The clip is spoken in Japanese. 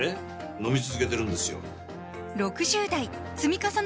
飲み続けてるんですよ